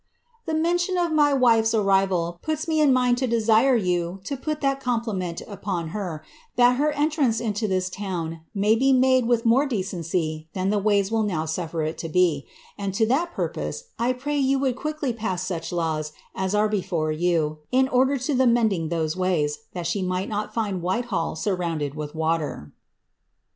•• The mention of my wife's arrival puts me in mind to desire you to pot that compliment upon her, that her entrance into this town may be itiade with more decency than the ways will now suffer it to be ; and to * Hist Casa Real Portuguesa. 324 CATHARIRB OF BRAOAHIA* tliat puqxMe I pray you would quickly pass such laws as are before vou, in order to the mending those ways, tliat she may not find White hall surrounded witli water.''